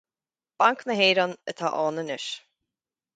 Banc na hÉireann atá ann anois